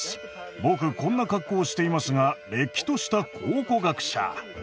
僕こんな格好をしていますがれっきとした考古学者！